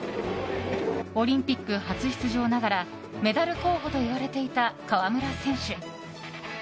オリンピック初出場ながらメダル候補といわれていた川村選手。